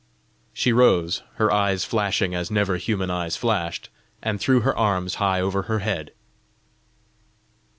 She rose, her eyes flashing as never human eyes flashed, and threw her arms high over her head.